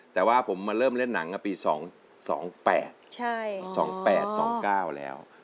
แต่ว่าผมมาเริ่มเล่นหนังปี๒๘๒๘๒๙แล้ว